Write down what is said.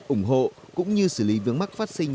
ủng hộ cũng như xử lý vướng mắc phát sinh